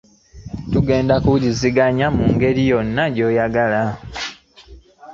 Tugenda kuwuliziganya mu ngeri yonna gy'oyagala.